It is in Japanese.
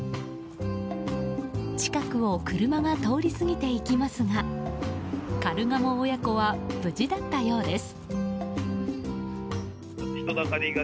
近くを車が通り過ぎていきますがカルガモ親子は無事だったようです。